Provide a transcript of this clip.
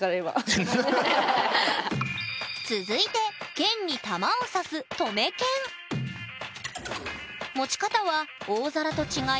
続いてけんに玉をさすとめけん持ち方は大皿と違い